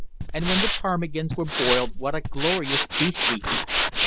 And when the ptarmigans were boiled what a glorious feast we had!